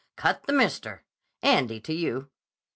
"Cut the Mister. Andy, to you."